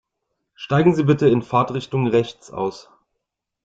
Steigen Sie bitte in Fahrtrichtung rechts aus.